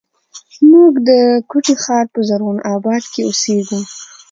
موږ د کوټي ښار په زرغون آباد کښې اوسېږو